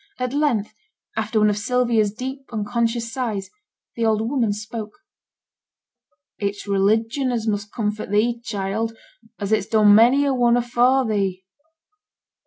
At length, after one of Sylvia's deep, unconscious sighs, the old woman spoke: 'It's religion as must comfort thee, child, as it's done many a one afore thee.'